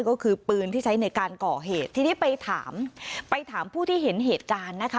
ก็คือปืนที่ใช้ในการก่อเหตุทีนี้ไปถามไปถามผู้ที่เห็นเหตุการณ์นะคะ